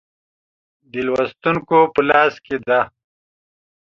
د لوستونکو په لاس کې ده.